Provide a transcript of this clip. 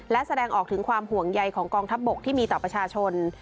และแสดงออกถึงความห่วงใยของกองทัพบกที่มีต่อประชาชน